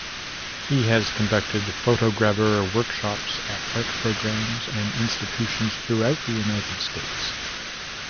He has conducted photogravure workshops at art programs and institutions throughout the United States.